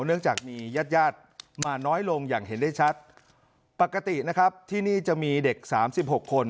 เนื่องจากมีญาติญาติมาน้อยลงอย่างเห็นได้ชัดปกตินะครับที่นี่จะมีเด็กสามสิบหกคน